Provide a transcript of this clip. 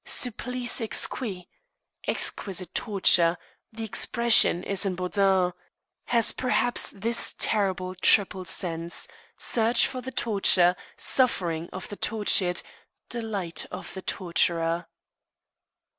Supplice exquis (exquisite torture) the expression is in Bodin has perhaps this terrible triple sense: search for the torture; suffering of the tortured; delight of the torturer.